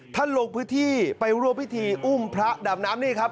ท่านหลวงพฤทธิไปรั่วพฤทธิอุ้มพระดำน้ำนี่ครับ